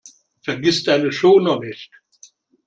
Vergiss deine Schoner nicht!